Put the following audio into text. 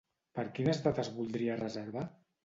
Per quines dates voldria reservar?